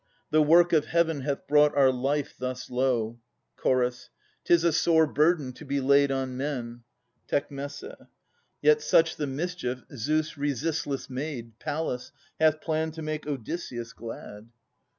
The work of Heaven hath brought our life thus low. Ch. 'Tis a sore burden to be laid on men. Tec. Yet such the mischief Zeus' resistless maid, Pallas, hath planned to make Odysseus glad.